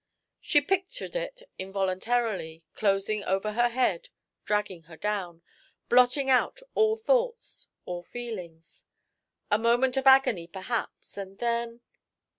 She pictured it involuntarily, closing over her, dragging her down, blotting out all thoughts, all feelings.... A moment of agony, perhaps, and then?